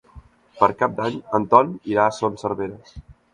Per Cap d'Any en Ton irà a Son Servera.